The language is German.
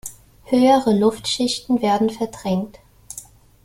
Höhere Luftschichten werden verdrängt.